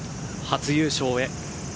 初優勝へ。